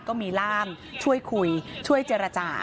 ก็มีร่ามช่วยคุยช่วยเจรจา